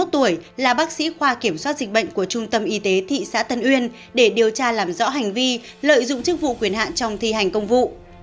ba mươi một tuổi là bác sĩ khoa kiểm soát dịch bệnh của trung tâm y tế thị xã tân uyên để điều tra làm rõ hành vi lợi dụng chức vụ quyền hạn trong thi hành công vụ